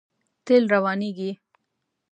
تېل روانېږي.